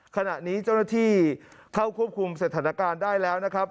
ขณะนี้เจ้าหน้าที่เข้าควบคุมสถานการณ์ได้แล้วนะครับ